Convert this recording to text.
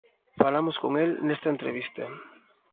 Falamos con el nesta entrevista.